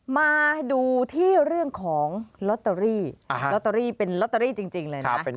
มาดูที่เรื่องของลอตเตอรี่ลอตเตอรี่เป็นลอตเตอรี่จริงเลยนะ